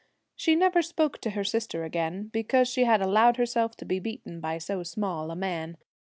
She never spoke to her sister again, because she had allowed herself to be beaten by so small a man.